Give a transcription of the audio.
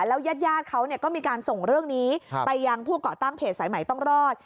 แล้วยาดเขาก็มีการส่งเรื่องนี้ไปยังผู้เกาะตั้งเพจสายใหม่ต้องรอด